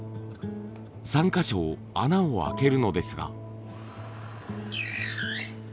３か所穴を開けるのですが。